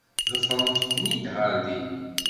Ḍefrent-iken-id ɣer din.